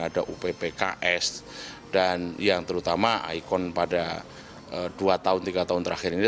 ada uppks dan yang terutama ikon pada dua tiga tahun terakhir ini